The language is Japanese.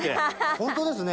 本当ですね。